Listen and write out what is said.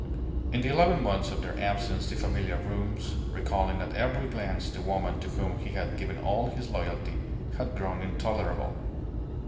In the eleven months of their absence the familiar rooms, recalling at every glance the woman to whom he had given all his loyalty, had grown intolerable.